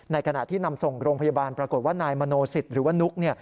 ขณะที่นำส่งโรงพยาบาลปรากฏว่านายมโนสิตหรือว่านุ๊ก